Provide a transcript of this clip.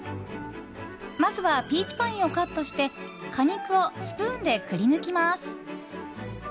まずはピーチパインをカットして果肉をスプーンでくりぬきます。